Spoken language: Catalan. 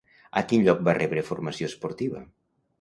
A quin lloc va rebre formació esportiva?